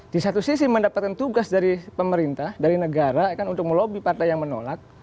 di satu sisi mendapatkan tugas dari pemerintah dari negara untuk melobi partai yang menolak